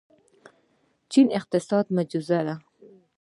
چین اقتصادي معجزه ده.